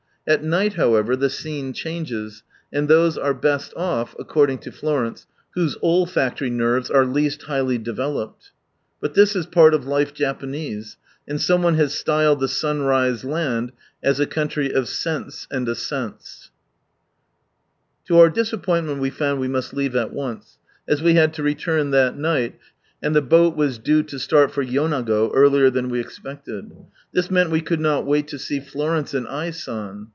At night however the scene changes, and those are best off, according to F lor ence, whose olfacb lory nerves are least high ly developed. But this is part of life Japanese, and some one has i styled I Sunrise Land as a country of ' A Hiiacki tf/iii. " Sccnts and Ascents." To our disappointment we found we must leave at once, as we had to return that night, and the boat was due to start for Yonago earlier than we expected. This meant we could not wait to see Florence and I. San.